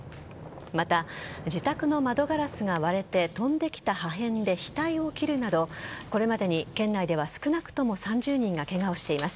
また自宅の窓ガラスが割れて飛んできた破片で額を切るなどこれまでに県内では少なくとも３０人がケガをしています。